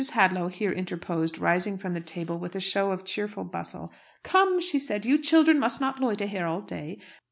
Hadlow here interposed, rising from the table with a show of cheerful bustle. "Come," said she, "you children must not loiter here all day.